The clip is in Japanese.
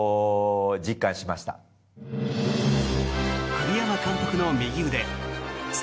栗山監督の右腕侍